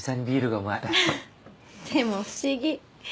でも不思議。